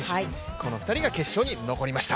この２人が決勝に残りました。